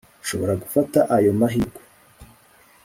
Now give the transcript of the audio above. nshobora gufata ayo mahirwe